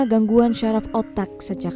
gangguan syaraf otak sejak